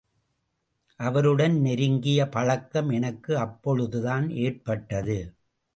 அவருடன் நெருங்கிய பழக்கம் எனக்கு அப்பொழுதுதான் ஏற்பட்டது.